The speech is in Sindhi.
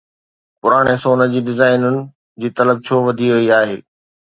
پراڻي سون جي ڊيزائن جي طلب ڇو وڌي وئي آهي؟